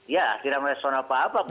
ya tidak merespon apa apa